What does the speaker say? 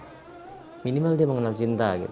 jadi kita minimal dia mengenal cinta